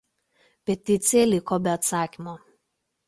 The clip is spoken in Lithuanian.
Peticija liko be atsakymo.